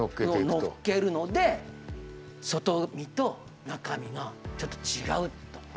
のっけるので外身と中身がちょっと違うと。